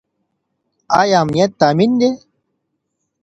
ايا امنيت تامين دی؟